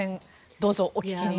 どうぞお聞きになって。